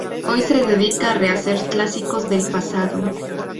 Hoy se dedica a rehacer clásicos del pasado.